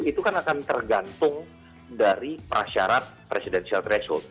itu kan akan tergantung dari prasyarat presidensial threshold